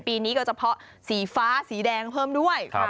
ปีนี้ก็เฉพาะสีฟ้าสีแดงเพิ่มด้วย